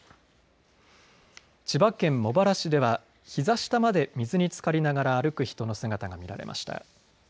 千葉県茂原市ではひざ下まで水につかりながら歩く人の姿が見られました。